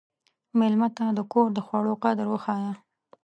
مېلمه ته د کور د خوړو قدر وښیه.